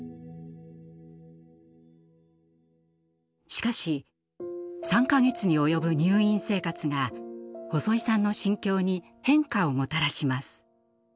しかし３か月に及ぶ入院生活が細井さんの心境に変化をもたらします。